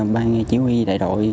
ban chiếu huy đại đội